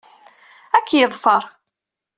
Ad k-yeḍfer.